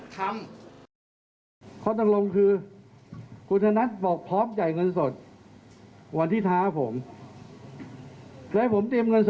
ผมไม่ใช่เพื่อนเล่นนะผมไปแล้วผมโทษค้าโทษไม่ใช่เพื่อนเล่นที่นี่ไม่สนามเด็กเล่น